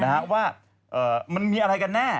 นะฮะว่าเอ่อมีอะไรกันแน่